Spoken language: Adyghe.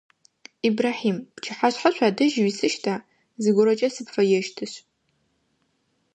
Ибрахьим, пчыхьашъхьэ шъуадэжь уисыщта, зыгорэкӏэ сыпфэещтышъ?